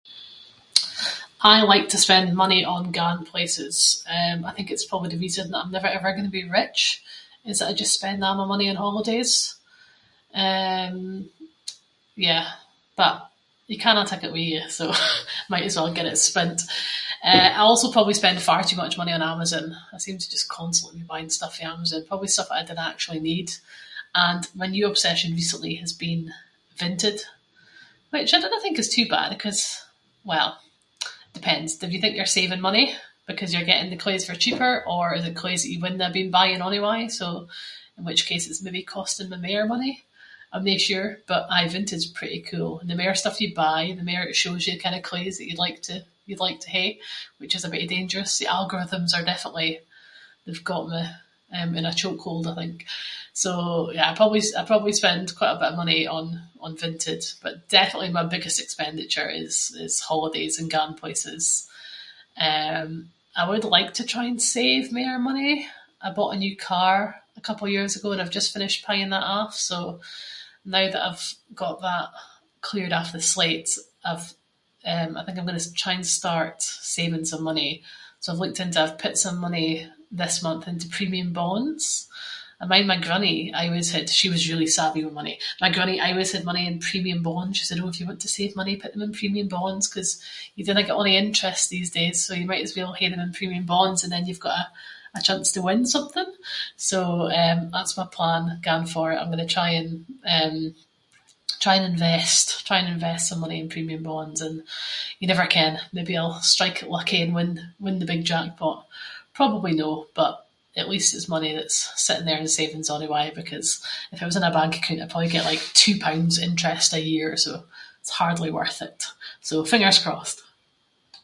I like to spend money on going places, eh I think it’s probably the reason that I’m never ever going to be rich, is that I just spend a’ my money on holidays. Eh yeah, but you cannae take it with you so might as well get it spent. Eh I also probably spend far too much money on Amazon, I seem to just constantly be buying stuff fae Amazon, probably stuff that I dinna actually need. And my new obsession recently has been Vinted, which I dinna think is too bad ‘cause- well depends, if you think you’re saving money because you’re getting the claes for cheaper or they’re claes that you wouldnae have been buying onyway, so in which case it’s maybe costing me mair money. I’m no sure, but aye Vinted’s pretty cool and the mair stuff you buy, the mair it shows you kind of claes that you’d like to- you’d like to hae, which is a bittie dangerous. The algorithms are definitely, they’ve got me in a chokehold, I think. So yeah, I probably, I probably spend quite a bit of money on Vinted. But definitely my biggest expenditure is- is holidays and going places. Eh, I would like to try and save mair money. I bought a new car a couple of years ago and I’ve just finished paying that off, so now that I’ve got that cleared off the slate, I’ve- I think I’m going to try and start saving some money. So, I’ve looked into- I’ve put some money this month into premium bonds. I mind my grannie aieways had- she was really savvy with money- my grannie aieways had money in premium bonds. She said, “oh if you want to save money put them in premium bonds, ‘cause you dinna get a’ the interest these days, so you might as well hae them in premium bonds and then you’ve got a- a chance to win something.” So eh, that’s my plan going forward. I’m going to try and, eh, try and invest- try and invest some money in premium bonds and you never ken, maybe I’ll strike it lucky and win- win the big jackpot. Probably no, but at least it’s money that’s sitting there in savings onyway, because if it was in a bank account, I’d probably get like two pounds interest a year, so it's hardly worth it. So, fingers crossed.